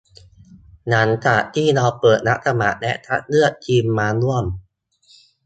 หลังจากที่เราเปิดรับสมัครและคัดเลือกทีมมาร่วม